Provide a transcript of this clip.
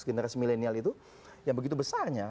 generasi milenial itu yang begitu besarnya